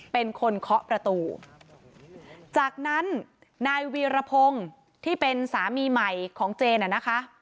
เป็นคนเคาะประตูจากนั้นนายวีรพงศ์ที่เป็นสามีใหม่ของเจนอ่ะนะคะ